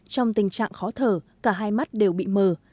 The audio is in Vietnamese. trong tình trạng khó thở cả hai mắt đều bị mờ